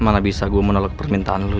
mana bisa gue menolak permintaan lo